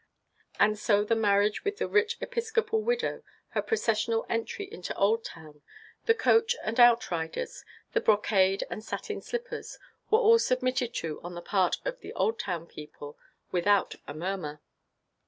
And so the marriage with the rich Episcopal widow, her processional entry into Oldtown, the coach and outriders, the brocade and satin slippers, were all submitted to on the part of the Oldtown people without a murmur.